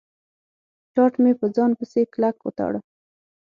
ټاټ مې په ځان پسې کلک و تاړه.